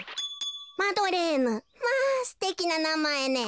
マドレーヌまあすてきななまえね。